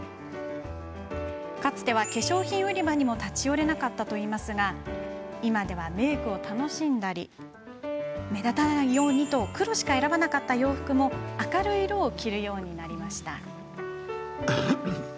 かつては化粧品売り場にも立ち寄れなかったといいますが今ではメークを楽しんだり目立たないようにと黒しか選ばなかった洋服も明るい色を着るようになりました。